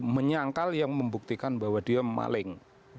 menyangkal yang membuktikan bahwa dia maling